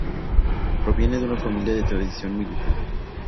Proviene de una familia de tradición militar.